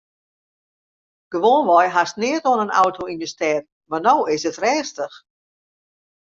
Gewoanwei hast neat oan in auto yn 'e stêd mar no is it rêstich.